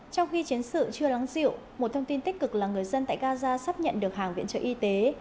trong khi chiến sự chưa lắng dịu một thông tin tích cực là người dân tại gaza sắp nhận được hàng viện trợ y tế